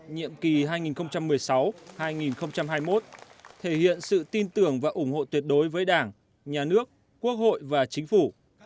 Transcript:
nhiệm kỳ hai nghìn một mươi sáu hai nghìn hai mươi một thể hiện sự tin tưởng và ủng hộ tuyệt đối với đảng nhà nước quốc hội và chính phủ